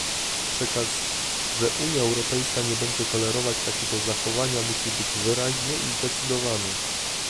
Przekaz, że Unia Europejska nie będzie tolerować takiego zachowania musi być wyraźny i zdecydowany